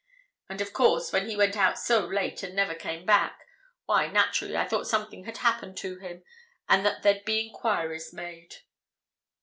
And, of course, when he went out so late and never came back, why, naturally, I thought something had happened to him, and that there'd be enquiries made."